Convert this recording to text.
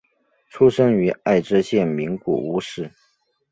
出生于爱知县名古屋市。